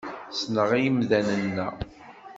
Ssneɣ imdanen-a.